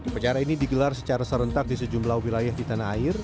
pecara ini digelar secara serentak di sejumlah wilayah di tanah air